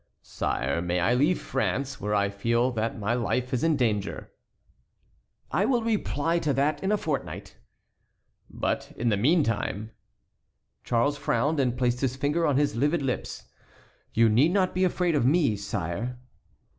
"Sire, may I leave France, where I feel that my life is in danger?" "I will reply to that in a fortnight." "But, in the meantime"— Charles frowned and placed his finger on his livid lips. "You need not be afraid of me, sire."